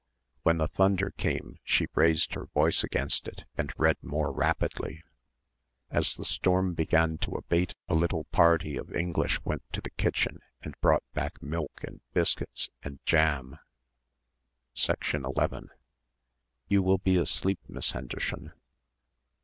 When the thunder came she raised her voice against it and read more rapidly. As the storm began to abate a little party of English went to the kitchen and brought back milk and biscuits and jam. 11 "You will be asleep, Miss Hendershon."